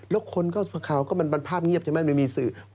แล้วคนก็มันภาพเงียบใช่ไหม